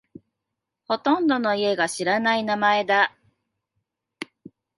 ほとんどの家が知らない名前だ。